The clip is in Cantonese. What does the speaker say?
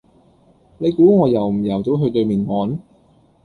你估我游唔游到去對面岸？